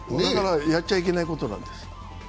やっちゃいけないことなんです。